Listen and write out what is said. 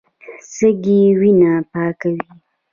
سږي وینه پاکوي.